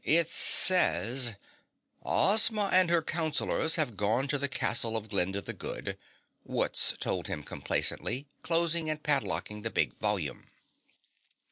"It says, 'Ozma and her counselors have gone to the castle of Glinda the Good,'" Wutz told him complacently closing and padlocking the big volume.